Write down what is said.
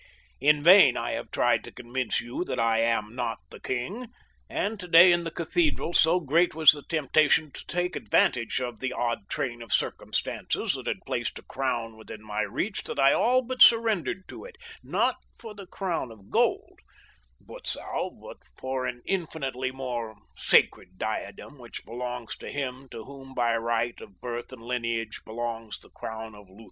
"In vain I have tried to convince you that I am not the king, and today in the cathedral so great was the temptation to take advantage of the odd train of circumstances that had placed a crown within my reach that I all but surrendered to it—not for the crown of gold, Butzow, but for an infinitely more sacred diadem which belongs to him to whom by right of birth and lineage, belongs the crown of Lutha.